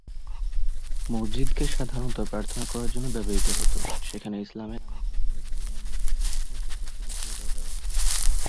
মসজিদকে সাধারণত প্রার্থনা করার জন্য ব্যবহৃত হত, সেখানে ইসলামে নানা ধরনের ধর্মীয় নির্দেশনা ও শিক্ষার সুযোগ সুবিধাও দেওয়া হত।